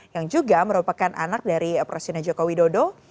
yang juga merupakan anak dari presiden joko widodo